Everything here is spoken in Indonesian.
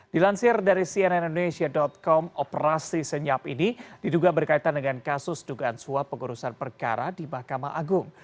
dilansir dari cnnindonesia com operasi senyap ini diduga berkaitan dengan kasus dugaan suap pengurusan perkara di mahkamah agung